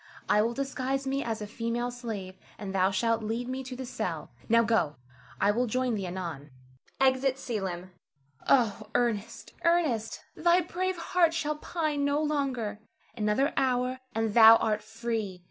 I will disguise me as a female slave, and thou shalt lead me to the cell. Now go; I will join thee anon. [Exit Selim.] Oh, Ernest, Ernest! thy brave heart shall pine no longer. Another hour, and thou art free.